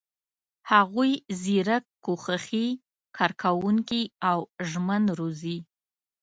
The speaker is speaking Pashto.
هغوی زیرک، کوښښي، کارکوونکي او ژمن روزي.